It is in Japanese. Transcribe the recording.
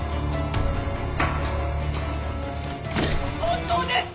本当です！